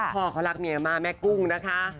พ่อเขารักเมียมากแม่กุ้งนะคะ